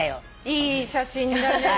いい写真だねぇ。